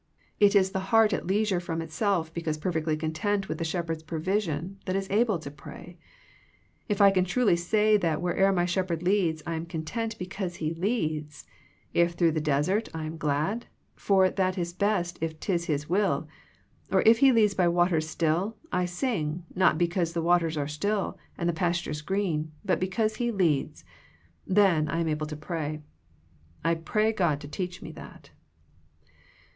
It is the heart at leisure from itself because per fectly content with the Shepherd's provision, that is able to pray. If I can truly say that where'er my Shepherd leads I am content be cause He leads ; if through the desert, I am glad, for that is best if 'tis His Will ; or if He leads by waters still, I sing, not because the waters are still and the pastures green, but because He leads ; then I am able to pray. I pray God to teach me that.